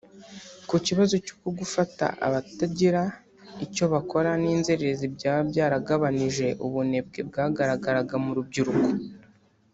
Ku kibazo cy’uko gufata abatagira icyo bakora n’inzererezi byaba byaragabanije ubunebwe bwagaragaraga mu rubyiruko